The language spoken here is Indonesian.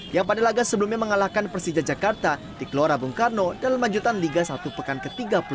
yang pada laga sebelumnya mengalahkan persija jakarta di keluar rabung karno dalam maju satu pekan ke tiga puluh tiga